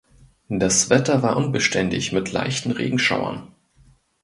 Das Wetter war unbeständig mit leichten Regenschauern.